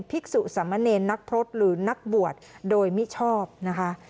ภิกษุสมเนรนักพฤษหรือนักบวชโดยมิชอบนะคะ